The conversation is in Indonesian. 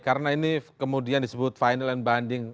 karena ini kemudian disebut final and bonding